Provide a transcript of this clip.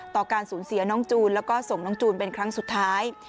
การสูญเสียน้องจูนแล้วก็ส่งน้องจูนเป็นครั้งสุดท้าย